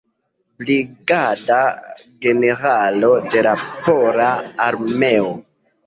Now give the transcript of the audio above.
Brigada generalo de la Pola Armeo.